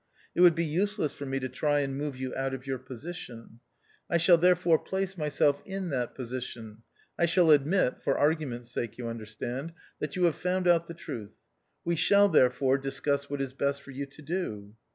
It would be useless for me to try and move you out of your position. I shall THE OUTCAST. 109 therefore place myself in that position ; I shall admit (for argument's sake, you under stand) that you have found out the truth. We shall, therefore, discuss what is best for you to do."